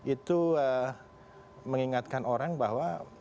itu mengingatkan orang bahwa